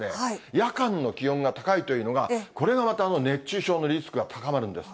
夜間の気温が高いというのが、これがまた熱中症のリスクが高まるんです。